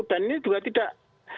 dan ini juga tidak